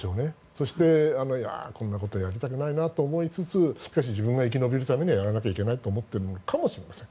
そして、こんなことやりたくないなと思いつつしかし自分が生き延びるためにはやらなきゃいけないと思っているかもしれません。